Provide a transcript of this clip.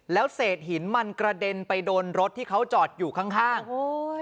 แล้วเศษหินมันกระเด็นไปโดนรถที่เขาจอดอยู่ข้างข้างโอ้ย